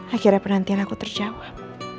akhirnya penantian aku terjawab